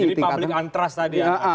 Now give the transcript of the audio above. jadi public antras tadi ya